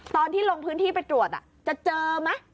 ตอนที่ลงพื้นที่ไปตรวจจะเจอไหม